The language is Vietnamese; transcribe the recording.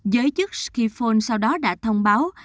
giới chức skifone sau đó đã thông báo